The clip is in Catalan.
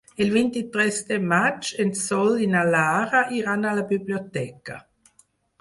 El vint-i-tres de maig en Sol i na Lara iran a la biblioteca.